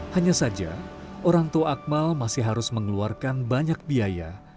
hanya saja orang tua akmal masih harus mengeluarkan banyak biaya